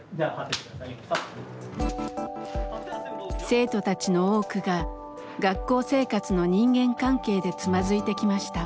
生徒たちの多くが学校生活の人間関係でつまずいてきました。